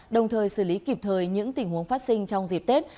đồng thời xử lý kịp thời những tình huống phát sinh trong dịp tết